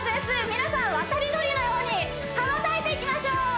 皆さんワタリドリのように羽ばたいていきましょう！